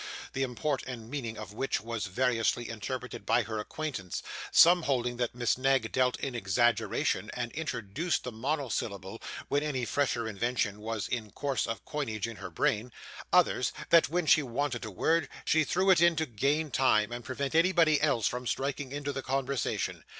the import and meaning of which, was variously interpreted by her acquaintance; some holding that Miss Knag dealt in exaggeration, and introduced the monosyllable when any fresh invention was in course of coinage in her brain; others, that when she wanted a word, she threw it in to gain time, and prevent anybody else from striking into the conversation.